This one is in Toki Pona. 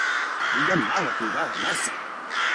mi jan lawa pi wawa nasa!